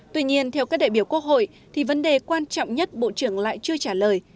tuy nhiên theo các đại biểu quốc hội thì vấn đề quan trọng nhất bộ trưởng lại chưa trả lời